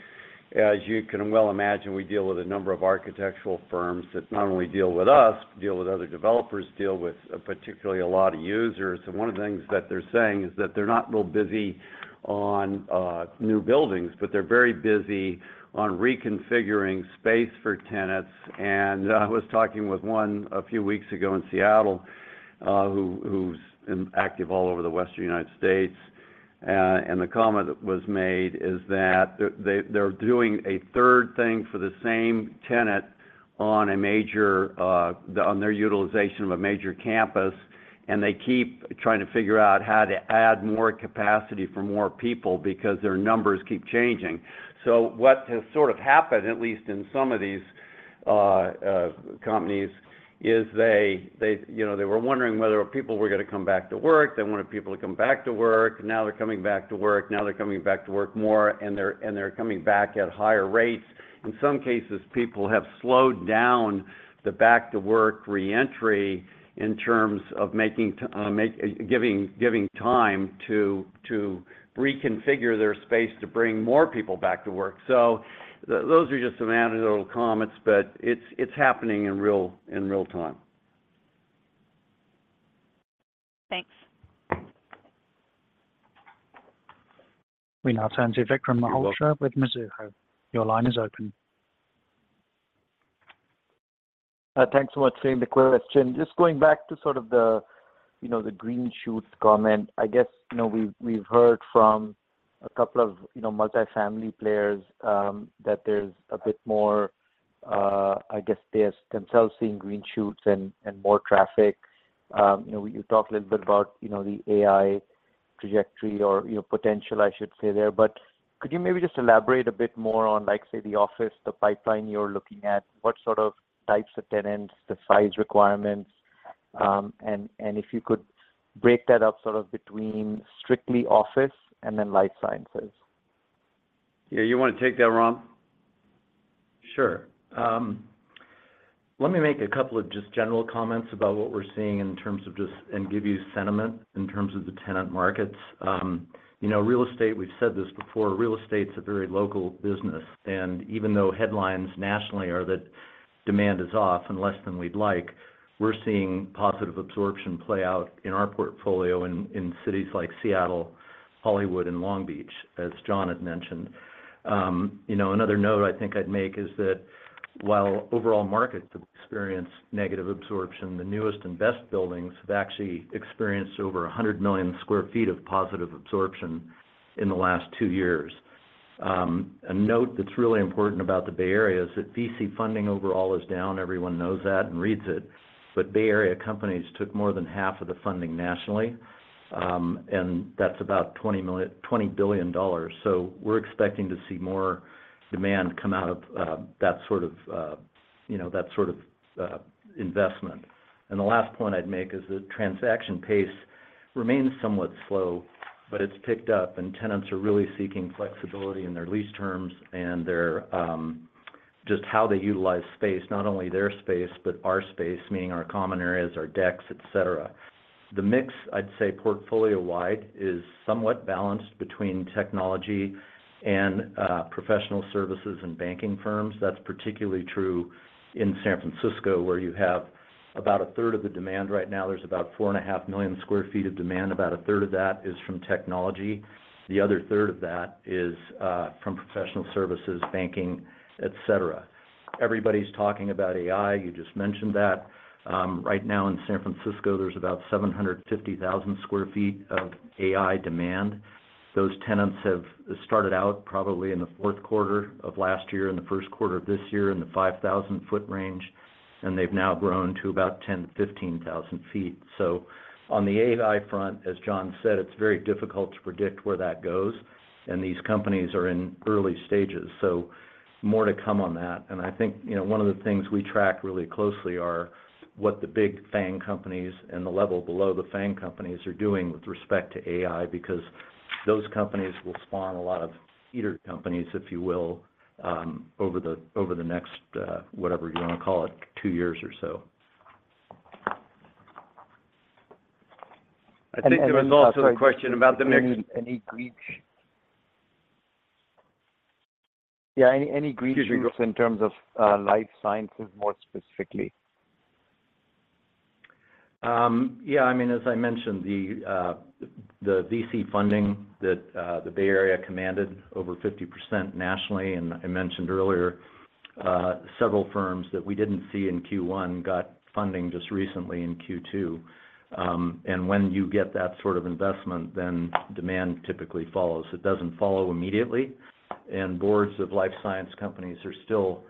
As you can well imagine, we deal with a number of architectural firms that not only deal with us, deal with other developers, deal with, particularly a lot of users. One of the things that they're saying is that they're not real busy on new buildings, but they're very busy on reconfiguring space for tenants. I was talking with one a few weeks ago in Seattle, who's active all over the Western United States. The comment that was made is that they're doing a third thing for the same tenant on a major, on their utilization of a major campus, and they keep trying to figure out how to add more capacity for more people because their numbers keep changing. What has sort of happened, at least in some of these companies, is they, you know, they were wondering whether people were gonna come back to work. They wanted people to come back to work, and now they're coming back to work. Now they're coming back to work more, and they're coming back at higher rates. In some cases, people have slowed down the back-to-work re-entry in terms of making, giving time to, to reconfigure their space to bring more people back to work. Those are just some anecdotal comments, but it's, it's happening in real, in real time. Thanks. We now turn to Vikram Malhotra with Mizuho. Your line is open. Thanks so much for the question. Just going back to sort of the, you know, the green shoots comment. I guess, you know, we've, we've heard from a couple of, you know, multifamily players that there's a bit more. I guess, they're themselves seeing green shoots and, and more traffic. You know, you talked a little bit about, you know, the AI trajectory or, you know, potential, I should say, there. Could you maybe just elaborate a bit more on, like, say, the office, the pipeline you're looking at, what sort of types of tenants, the size requirements, and, and if you could break that up sort of between strictly office and then life sciences? Yeah, you wanna take that, Rob? Sure. Let me make a couple of just general comments about what we're seeing in terms of just, and give you sentiment in terms of the tenant markets. You know, real estate, we've said this before, real estate's a very local business, and even though headlines nationally are that demand is off and less than we'd like, we're seeing positive absorption play out in our portfolio in, in cities like Seattle, Hollywood, and Long Beach, as John had mentioned. You know, another note I think I'd make is that while overall markets have experienced negative absorption, the newest and best buildings have actually experienced over 100 million sq ft of positive absorption in the last two years. Note that's really important about the Bay Area is that VC funding overall is down. Everyone knows that and reads it, Bay Area companies took more than half of the funding nationally, and that's about $20 billion. We're expecting to see more demand come out of that sort of, you know, that sort of investment. The last point I'd make is the transaction pace remains somewhat slow, but it's picked up, and tenants are really seeking flexibility in their lease terms and their just how they utilize space, not only their space, but our space, meaning our common areas, our decks, et cetera. The mix, I'd say, portfolio-wide, is somewhat balanced between technology and professional services and banking firms. That's particularly true in San Francisco, where you have about a third of the demand right now. There's about 4.5 million sq ft of demand. About a third of that is from technology. The other third of that is from professional services, banking, et cetera. Everybody's talking about AI. You just mentioned that. Right now in San Francisco, there's about 750,000 sq ft of AI demand. Those tenants have started out probably in the fourth quarter of last year and the first quarter of this year, in the 5,000 sq ft range, and they've now grown to about 10,000sq ft-15,000 sq ft. On the AI front, as John said, it's very difficult to predict where that goes, and these companies are in early stages, so more to come on that. I think, you know, one of the things we track really closely are what the big FAANG companies and the level below the FAANG companies are doing with respect to AI, because those companies will spawn a lot of eater companies, if you will, over the, over the next, whatever you want to call it, two years or so. I think there was also a question about the mix. Yeah, any, any green shoots in terms of, life sciences more specifically? Yeah, I mean, as I mentioned, the VC funding that the Bay Area commanded over 50% nationally, and I mentioned earlier, several firms that we didn't see in Q1 got funding just recently in Q2. When you get that sort of investment, then demand typically follows. It doesn't follow immediately, and boards of life science companies are still,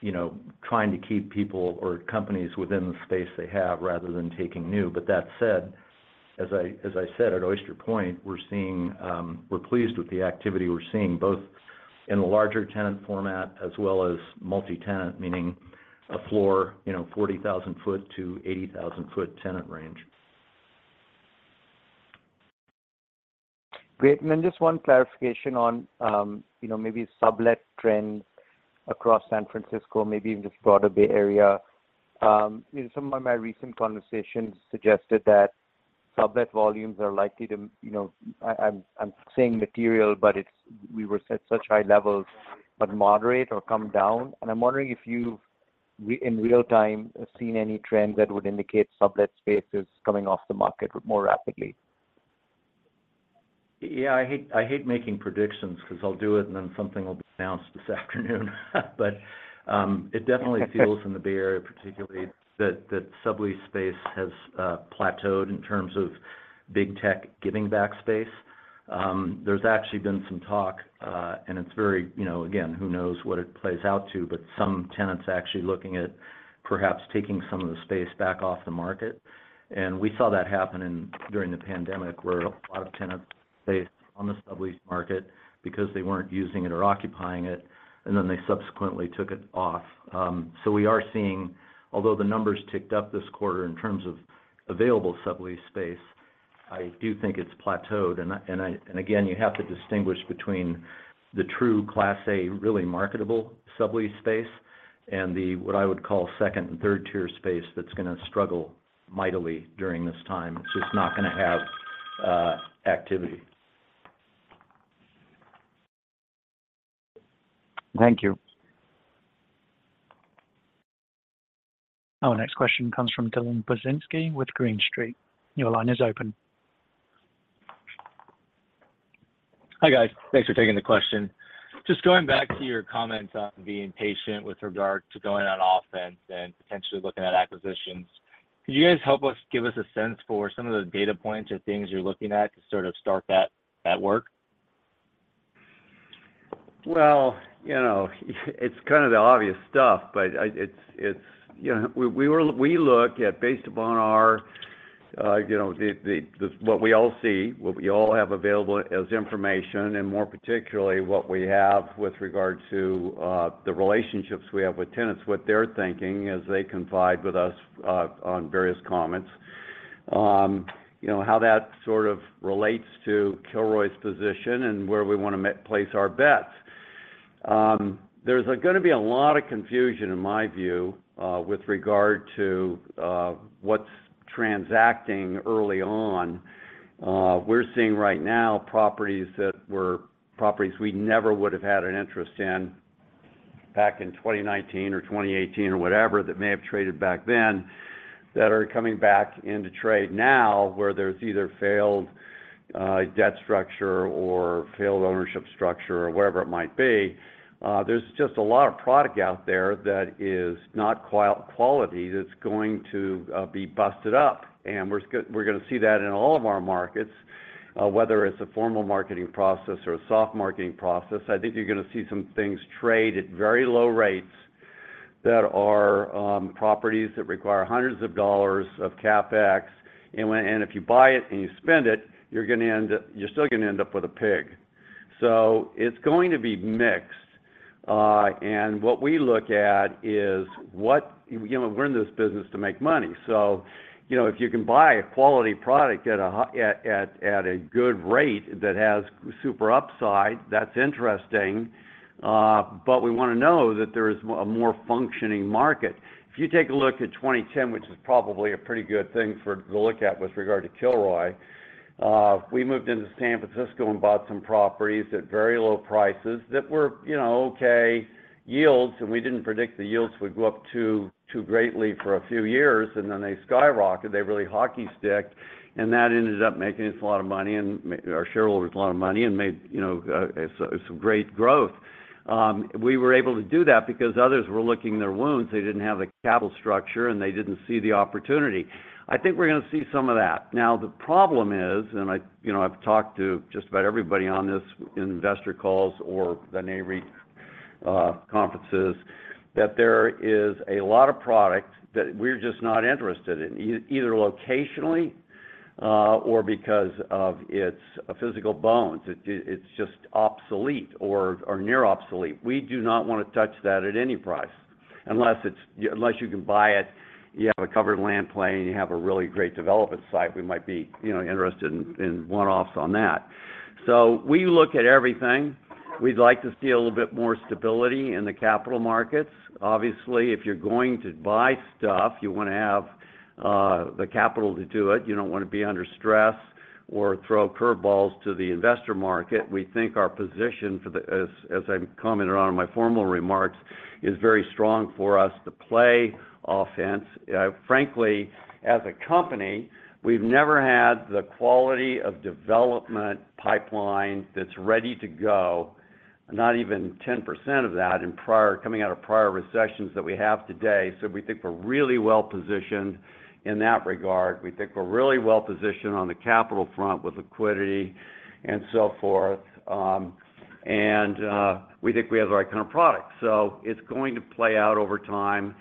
you know, trying to keep people or companies within the space they have rather than taking new. That said, as I, as I said, at Oyster Point, we're seeing, we're pleased with the activity we're seeing, both in the larger tenant format as well as multi-tenant, meaning a floor, you know, 40,000 foot to 80,000 foot tenant range. Great. And then just one clarification on, you know, maybe sublet trends across San Francisco, maybe even just broader Bay Area. You know, some of my recent conversations suggested that sublet volumes are likely to, you know. I'm saying material, but it's, we were at such high levels, but moderate or come down. And I'm wondering if you've, in real time, seen any trends that would indicate sublet spaces coming off the market more rapidly? Yeah, I hate, I hate making predictions because I'll do it, and then something will be announced this afternoon. It definitely feels in the Bay Area, particularly, that, that sublease space has plateaued in terms of big tech giving back space. There's actually been some talk, and it's very, you know, again, who knows what it plays out to, but some tenants are actually looking at perhaps taking some of the space back off the market. We saw that happen in, during the pandemic, where a lot of tenants based on the sublease market because they weren't using it or occupying it, and then they subsequently took it off. We are seeing, although the numbers ticked up this quarter in terms of available sublease space, I do think it's plateaued. Again, you have to distinguish between the true Class A, really marketable sublease space and the, what I would call, second and third tier space that's gonna struggle mightily during this time. It's just not gonna have activity. Thank you. Our next question comes from Dylan Burzinski with Green Street. Your line is open. Hi, guys. Thanks for taking the question. Just going back to your comments on being patient with regard to going on offense and potentially looking at acquisitions, could you guys give us a sense for some of the data points or things you're looking at to sort of start that work? Well, you know, it's kind of the obvious stuff, but it's, it's, you know, we look at based upon our, you know, the, the, the, what we all see, what we all have available as information, and more particularly, what we have with regard to, the relationships we have with tenants, what they're thinking as they confide with us, on various comments. You know, how that sort of relates to Kilroy's position and where we want to place our bets. There's gonna be a lot of confusion, in my view, with regard to, what's transacting early on. We're seeing right now properties that were properties we never would have had an interest in back in 2019 or 2018 or whatever, that may have traded back then, that are coming back into trade now, where there's either failed debt structure or failed ownership structure or whatever it might be. There's just a lot of product out there that is not quality, that's going to be busted up, and we're just we're gonna see that in all of our markets, whether it's a formal marketing process or a soft marketing process. I think you're gonna see some things trade at very low rates, that are properties that require hundreds of dollars of CapEx, and if you buy it and you spend it, you're gonna end up, you're still gonna end up with a pig. It's going to be mixed. What we look at is what, you know, we're in this business to make money, you know, if you can buy a quality product at a good rate that has super upside, that's interesting, but we wanna know that there is a more functioning market. If you take a look at 2010, which is probably a pretty good thing to look at with regard to Kilroy, we moved into San Francisco and bought some properties at very low prices that were, you know, okay yields, and we didn't predict the yields would go up too, too greatly for a few years, and then they skyrocketed. They really hockey sticked, and that ended up making us a lot of money and our shareholders a lot of money, and made, you know, some, some great growth. We were able to do that because others were licking their wounds. They didn't have the capital structure, and they didn't see the opportunity. I think we're gonna see some of that. Now, the problem is, and you know, I've talked to just about everybody on this in investor calls or the Nareit conferences, that there is a lot of product that we're just not interested in, either locationally, or because of its physical bones. It's just obsolete or, or near obsolete. We do not wanna touch that at any price, unless it's, unless you can buy it, you have a covered land play, and you have a really great development site, we might be, you know, interested in, in one-offs on that. We look at everything. We'd like to see a little bit more stability in the capital markets. Obviously, if you're going to buy stuff, you wanna have the capital to do it. You don't wanna be under stress or throw curve balls to the investor market. We think our position for the as, as I commented on in my formal remarks, is very strong for us to play offense. Frankly, as a company, we've never had the quality of development pipeline that's ready to go, not even 10% of that coming out of prior recessions that we have today. We think we're really well-positioned in that regard. We think we're really well-positioned on the capital front with liquidity and so forth. We think we have the right kind of product. It's going to play out over time.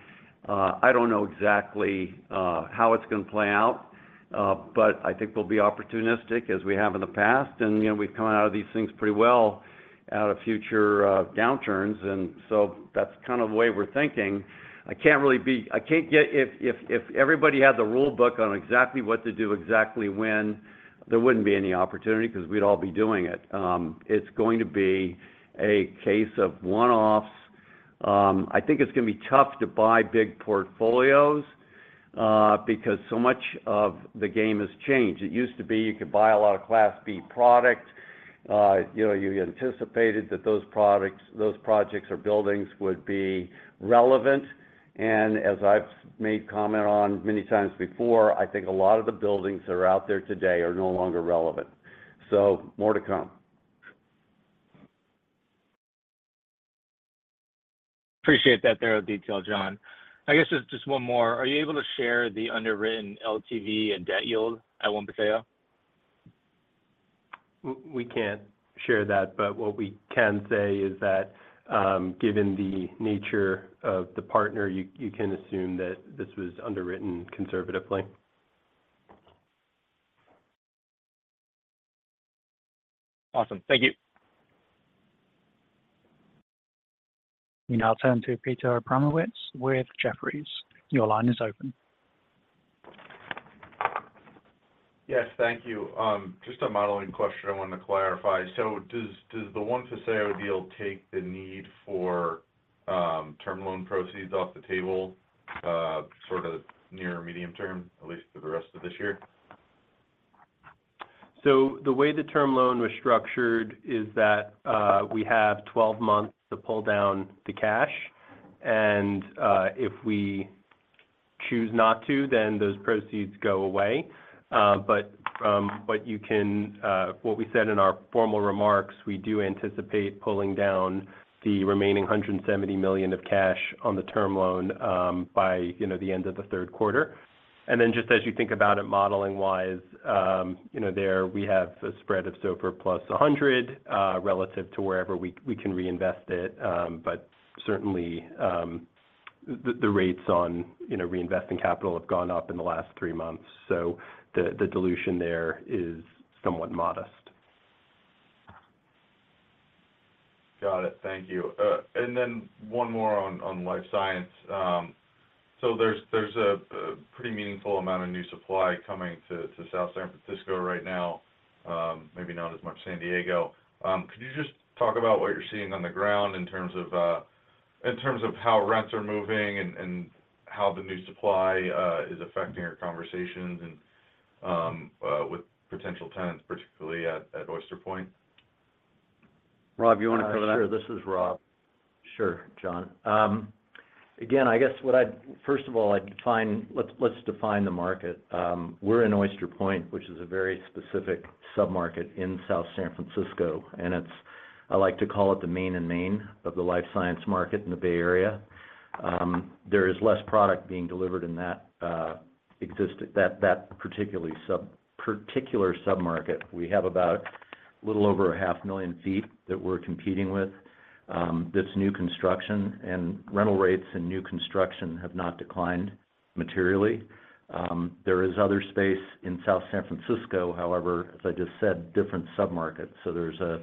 I don't know exactly how it's gonna play out, but I think we'll be opportunistic as we have in the past. You know, we've come out of these things pretty well, out of future downturns, and so that's kind of the way we're thinking. I can't really. If everybody had the rule book on exactly what to do exactly when, there wouldn't be any opportunity 'cause we'd all be doing it. It's going to be a case of one-offs. I think it's gonna be tough to buy big portfolios, because so much of the game has changed. It used to be you could buy a lot of Class B product. You know, you anticipated that those products, those projects or buildings would be relevant. As I've made comment on many times before, I think a lot of the buildings that are out there today are no longer relevant. More to come. Appreciate that thorough detail, John. I guess just, just one more. Are you able to share the underwritten LTV and debt yield at One Paseo? We can't share that. What we can say is that, given the nature of the partner, you can assume that this was underwritten conservatively. Awesome. Thank you. We now turn to Peter Abramowitz with Jefferies. Your line is open. Yes, thank you. Just a modeling question I wanted to clarify. Does, does the One Paseo deal take the need for term loan proceeds off the table, sort of near or medium-term, at least for the rest of this year? The way the term loan was structured is that, we have 12 months to pull down the cash, and if we choose not to, then those proceeds go away. But you can, What we said in our formal remarks, we do anticipate pulling down the remaining $170 million of cash on the term loan, by, you know, the end of the third quarter. Then, just as you think about it modeling-wise, you know, there we have a spread of SOFR + 100, relative to wherever we, we can reinvest it. But certainly, the, the rates on, you know, reinvesting capital have gone up in the last three months, the, the dilution there is somewhat modest. Got it. Thank you. One more on, on life science. There's, there's a, a pretty meaningful amount of new supply coming to, to South San Francisco right now, maybe not as much San Diego. Could you just talk about what you're seeing on the ground in terms of, in terms of how rents are moving and, and how the new supply is affecting your conversations and with potential tenants, particularly at, at Oyster Point? Rob, you wanna cover that? Sure. This is Rob. Sure, John. Again, I guess what I'd first of all, let's, let's define the market. We're in Oyster Point, which is a very specific submarket in South San Francisco, and I like to call it the Main and Main of the life science market in the Bay Area. There is less product being delivered in that particular submarket. We have about 500,000 sq ft that we're competing with this new construction. Rental rates and new construction have not declined materially. There is other space in South San Francisco, however, as I just said, different submarkets. There's a,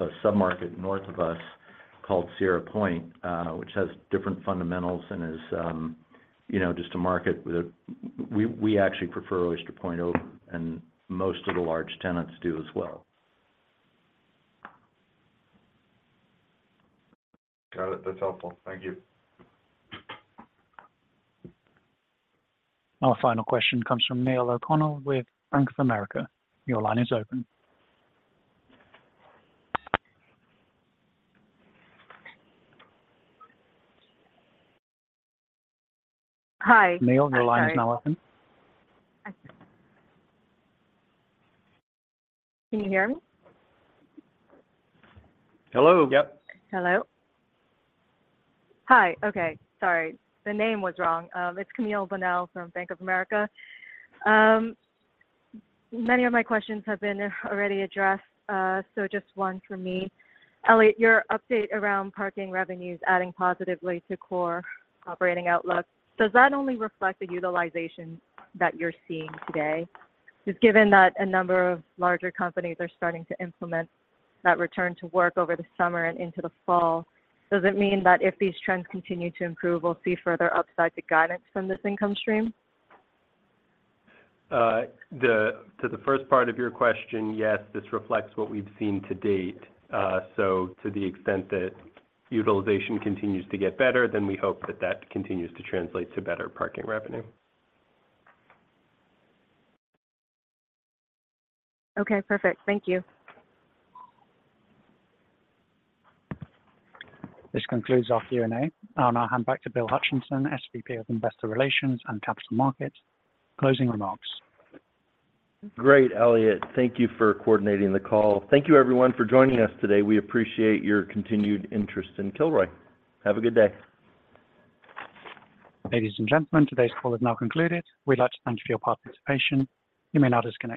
a submarket north of us called Sierra Point, which has different fundamentals and is, you know, just a market that we, we actually prefer Oyster Point over, and most of the large tenants do as well. Got it. That's helpful. Thank you. Our final question comes from Neil O'Connell with Bank of America. Your line is open. Hi. Neil, your line is now open. Can you hear me? Hello? Yep. Hello. Hi. Okay, sorry. The name was wrong. It's Camille Bonnel from Bank of America. Many of my questions have been already addressed, just one from me. Eliott, your update around parking revenues adding positively to core operating outlook, does that only reflect the utilization that you're seeing today? Just given that a number of larger companies are starting to implement that return to work over the summer and into the fall, does it mean that if these trends continue to improve, we'll see further upside to guidance from this income stream? To the first part of your question, yes, this reflects what we've seen to date. To the extent that utilization continues to get better, then we hope that that continues to translate to better parking revenue. Okay, perfect. Thank you. This concludes our Q&A. I'll now hand back to Bill Hutcheson, SVP of Investor Relations and Capital Markets. Closing remarks. Great, Eliott. Thank you for coordinating the call. Thank you everyone for joining us today. We appreciate your continued interest in Kilroy. Have a good day. Ladies and gentlemen, today's call is now concluded. We'd like to thank you for your participation. You may now disconnect.